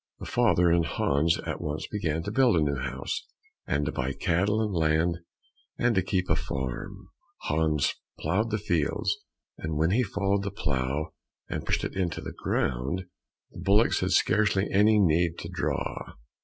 The father and Hans at once began to build a new house; to buy cattle and land, and to keep a farm. Hans ploughed the fields, and when he followed the plough and pushed it into the ground, the bullocks had scarcely any need to draw.